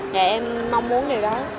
thì em mong muốn điều đó